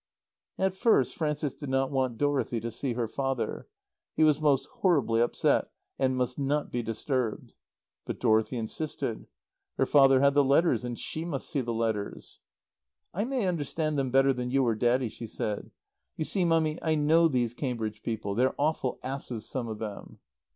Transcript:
At first Frances did not want Dorothy to see her father. He was most horribly upset and must not be disturbed. But Dorothy insisted. Her father had the letters, and she must see the letters. "I may understand them better than you or Daddy," she said. "You see, Mummy, I know these Cambridge people. They're awful asses, some of them."